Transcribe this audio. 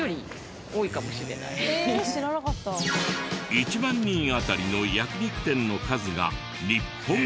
１万人あたりの焼肉店の数が日本一。